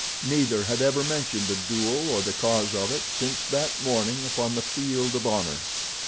Neither had ever mentioned the duel or the cause of it since that morning upon the field of honor.